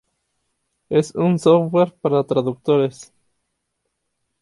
Es un software para traductores.